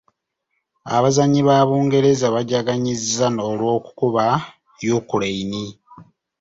Abazanyi ba Bungereza bajaganyizza olw’okukuba Yukureyini.